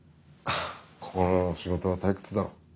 ここの仕事は退屈だろう？